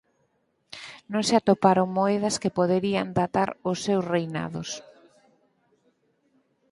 Non se atoparon moedas que poderían datar os seus reinados.